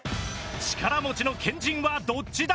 力持ちの県人はどっちだ！？